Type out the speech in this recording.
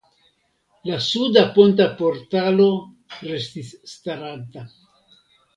La suda ponta portalo restis staranta.